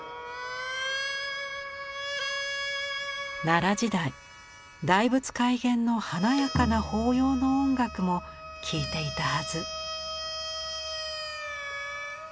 奈良時代大仏開眼の華やかな法要の音楽も聴いていたはず。